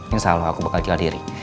insya allah aku bakal jaga diri